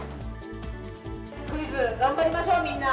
クイズ頑張りましょう、みんな。